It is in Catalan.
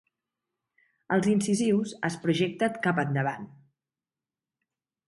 Els incisius es projecten cap endavant.